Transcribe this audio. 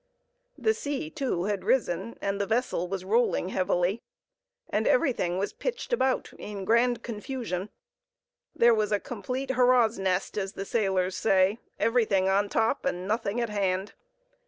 The sea, too, had risen, the vessel was rolling heavily, and everything was pitched about in grand confusion. There was a complete "hurrah's nest," as the sailors say, "everything on top and nothing at hand."